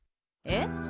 え？